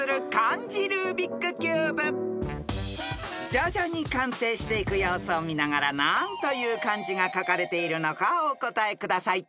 ［徐々に完成していく様子を見ながら何という漢字が書かれているのかをお答えください］